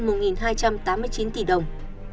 trị giá hơn một hai trăm tám mươi chín tỷ đồng